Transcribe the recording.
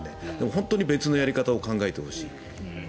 本当に別のやり方を考えてほしい。